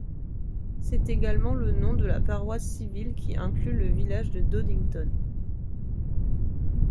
C'est également le nom de la paroisse civile qui inclut le village de Dodington.